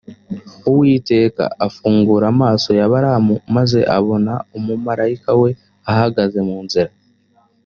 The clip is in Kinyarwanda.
uhoraho afungura amaso ya balamu, maze abona umumalayika we ahagaze mu nzira.